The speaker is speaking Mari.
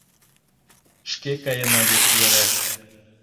Шке каена вес вере